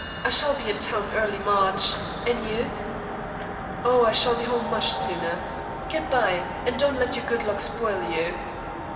I shall be in town early in March. And you?" "Oh, I shall be home much sooner. Good bye, and don't let your good luck spoil you."